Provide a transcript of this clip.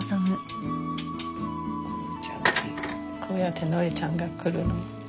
こうやってノリちゃんが来るの。